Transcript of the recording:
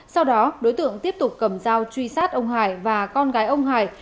sau đó đối tượng tiếp tục cầm dao truy sát ông hải và con gái ông hải